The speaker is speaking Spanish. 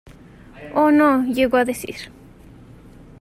Ono llegó a decir.